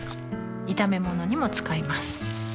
炒め物にも使います